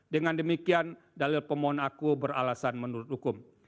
dengan demikian dalil pemohon aku beralasan menurut hukum